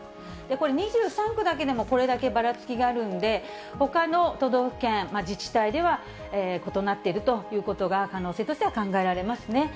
２３区だけでもこれだけばらつきがあるんで、ほかの都道府県、自治体では、異なっているということが、可能性としては考えられますね。